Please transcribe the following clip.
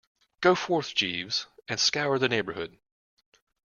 Go forth, Jeeves, and scour the neighbourhood.